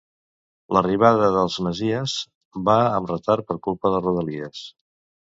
L'arribada del Messies va amb retard per culpa de Rodalies